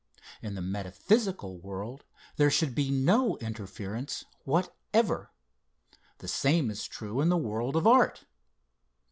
In the metaphysical world there should be no interference whatever, The same is true in the world of art.